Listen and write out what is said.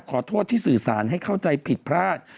ขอโทษที่สื่อสารให้เข้าใจผิดพลาด